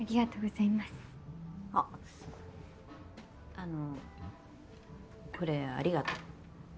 あのこれありがとう。